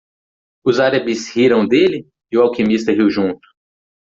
Os árabes riram dele? e o alquimista riu junto.